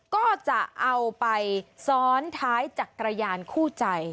ก็จะเอาไปซ้อนท้ายจักรยานคู่ใจ